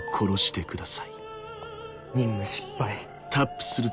任務失敗。